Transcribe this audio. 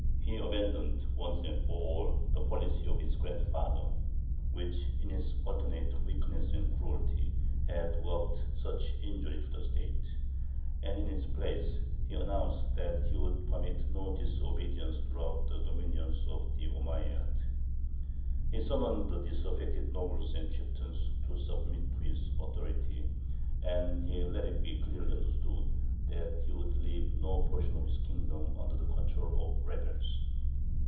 He abandoned once and for all the policy of his grandfather, which, in its alternate weakness and cruelty, had worked such injury to the State; and in its place he announced that he would permit no disobedience throughout the dominions of the Omeyyads; he summoned the disaffected nobles and chieftains to submit to his authority; and he let it be clearly understood that he would leave no portion of his kingdom under the control of rebels.